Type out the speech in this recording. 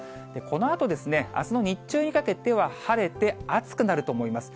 このあと、あすの日中にかけては晴れて暑くなると思います。